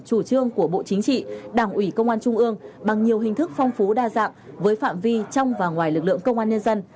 chủ trương của bộ chính trị đảng ủy công an trung ương bằng nhiều hình thức phong phú đa dạng với phạm vi trong và ngoài lực lượng công an nhân dân